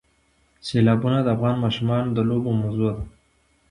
سیلابونه د افغان ماشومانو د لوبو موضوع ده.